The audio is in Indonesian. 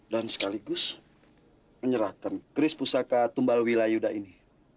dan sekaligus menyerahkan kris pusaka tumbalwila yuda ini